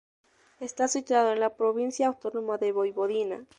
Está situado en la Provincia Autónoma de Voivodina.